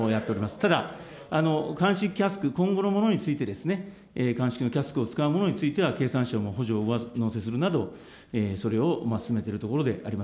ただ、乾式キャスク、今後のものについてですね、乾式のキャスクを使うものについては、経産省も補助を上乗せするなど、それを進めているところであります。